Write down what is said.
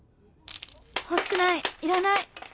欲しくないいらない。